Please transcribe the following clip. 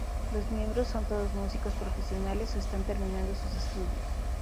Los miembros son todos músicos profesionales o están terminando sus estudios.